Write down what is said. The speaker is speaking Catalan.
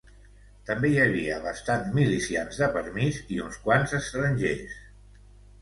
També hi havia bastants milicians de permís i uns quants estrangers.